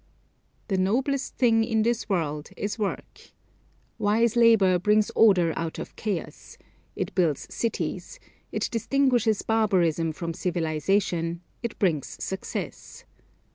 The noblest thing in this world is work. Wise labor brings order out of chaos; it builds cities; it distinguishes barbarism from civilization; it brings success.